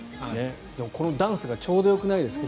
でも、このダンスがちょうどよくないですか？